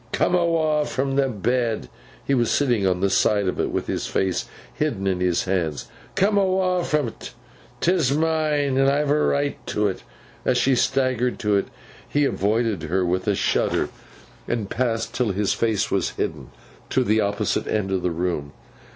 'Come awa' from th' bed!' He was sitting on the side of it, with his face hidden in his hands. 'Come awa! from 't. 'Tis mine, and I've a right to t'!' As she staggered to it, he avoided her with a shudder, and passed—his face still hidden—to the opposite end of the room.